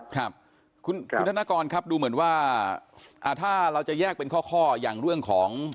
ครับคุณธนกรครับดูเหมือนว่าถ้าเราจะแยกเป็นข้ออย่างเรื่องของ